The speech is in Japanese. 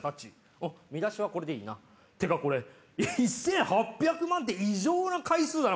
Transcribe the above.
うん見出しはこれでいいなってかこれ１８００万って異常な回数だな